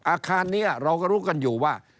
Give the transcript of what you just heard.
อาคารนี้เราก็รู้กันอยู่ว่า